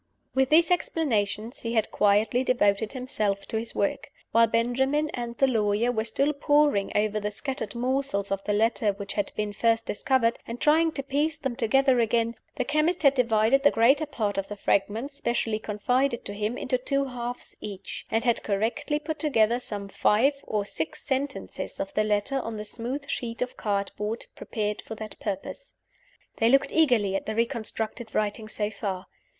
With these explanations, he quietly devoted himself to his work. While Benjamin and the lawyer were still poring over the scattered morsels of the letter which had been first discovered, and trying to piece them together again, the chemist had divided the greater part of the fragments specially confided to him into two halves each; and had correctly put together some five or six sentences of the letter on the smooth sheet of cardboard prepared for that purpose. They looked eagerly at the reconstructed writing so far.